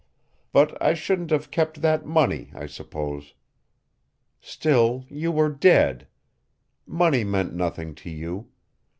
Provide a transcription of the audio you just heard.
But I shouldn't have kept that money, I suppose. Still, you were dead. Money meant nothing to you.